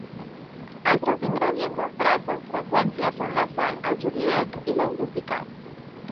Altres ingredients emprats amb freqüència són la sal, el julivert i l'ou dur picat.